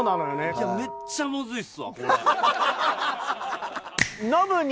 いやめっちゃむずいっすわこれ。